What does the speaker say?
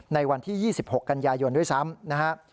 ในวันที่๒๖กันยายนด้วยซ้ำนะครับ